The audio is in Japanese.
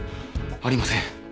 ありません。